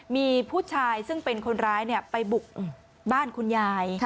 มีผู้ชายซึ่งเป็นคนร้ายไปบุกบ้านคุณยาย